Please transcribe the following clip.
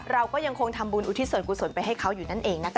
เราก็ยังคงทำบุญอุทิศส่วนกุศลไปให้เขาอยู่นั่นเองนะคะ